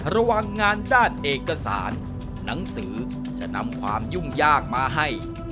ระหว่างงานด้านเอกสารหนังสือจะนำความยุ่งยากมาให้